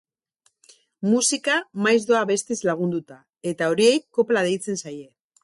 Musika maiz doa abestiz lagunduta, eta horiei kopla deitzen zaie.